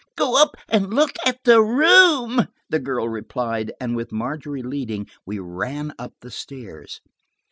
"Go up and look at the room," the girl replied, and, with Margery leading, we ran up the stairs.